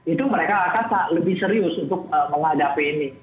itu mereka akan lebih serius untuk menghadapi ini